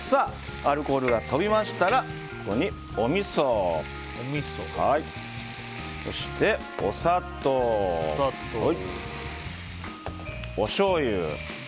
アルコールが飛びましたらここに、おみそそして、お砂糖、おしょうゆ。